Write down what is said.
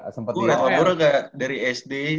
gue ngelabur agak dari sd